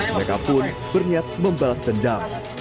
mereka pun berniat membalas dendam